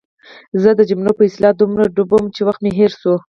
زه د جملو په اصلاح دومره ډوب وم چې وخت مې هېر شو.